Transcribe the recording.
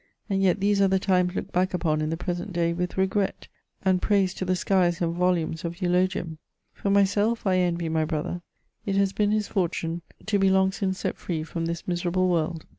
And yet these are the times looked back upon in the present day with regret, and praised to the skies in volumes of euloginm ! For myself, I envy my brother ; it has been his forfcime to be long since set free from this miserable world.